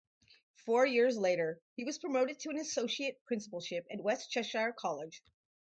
Four years later, he was promoted to an associate principalship at West Cheshire College.